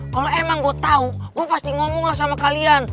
kalau emang gue tau gue pasti ngomong lah sama kalian